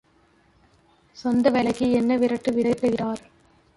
சொந்த வேலைக்கு என்ன விரட்டு விரட்டுகிறார்?